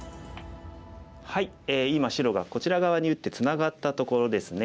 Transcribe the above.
今白がこちら側に打ってツナがったところですね。